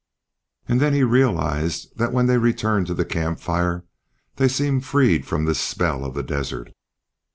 And then he realized that when they returned to the camp fire they seemed freed from this spell of the desert.